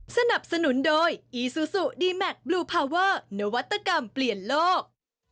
สนับสนุนโดยอีซูซูดีแมคบลูพาเวอร์นวัตกรรมเปลี่ยนโลก